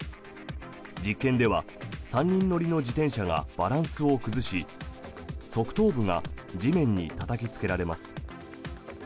実験では３人乗りの自転車がバランスを崩し側頭部が地面にたたきつけられます。